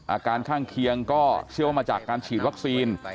อาการข้างเคียงก็เชื่อว่ามาจากการฉีดวัคซีน